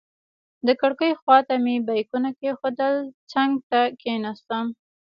د کړکۍ خواته مې بیکونه کېښودل، څنګ ته کېناستم.